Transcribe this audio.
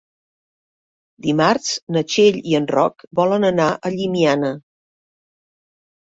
Dimarts na Txell i en Roc volen anar a Llimiana.